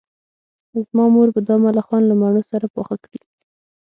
زما مور به دا ملخان له مڼو سره پاخه کړي